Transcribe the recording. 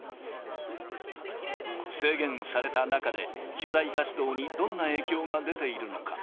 制限された中で、取材活動にどんな影響が出ているのか。